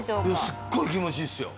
すっごい気持ちいいっすよ！